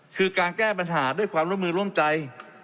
คือการแก้ปัญหาด้วยความร่วมมือร่วมใจ